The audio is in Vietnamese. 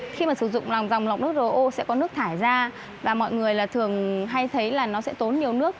khi mà sử dụng lòng dòng lọc nước ro sẽ có nước thải ra và mọi người là thường hay thấy là nó sẽ tốn nhiều nước